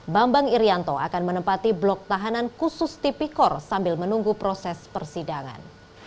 bambang irianto akan menempati blok tahanan khusus tipikor sambil menunggu proses persidangan